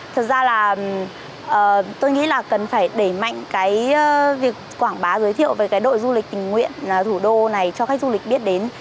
thật ra là tôi nghĩ là cần phải đẩy mạnh cái việc quảng bá giới thiệu về cái đội du lịch tình nguyện thủ đô này cho khách du lịch biết đến